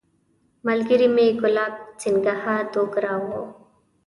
ملګری مې ګلاب سینګهه دوګرا وو.